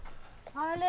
・あれ？